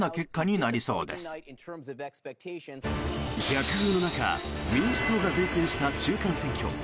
逆風の中民主党が善戦した中間選挙。